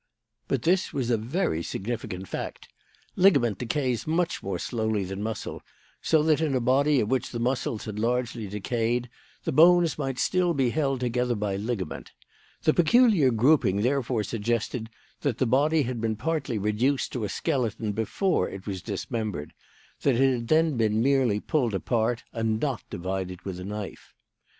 "But this was a very significant fact. Ligament decays much more slowly than muscle, so that in a body of which the muscles had largely decayed the bones might still be held together by ligament. The peculiar grouping therefore suggested that the body had been partly reduced to a skeleton before it was dismembered; that it had then been merely pulled apart and not divided with a knife.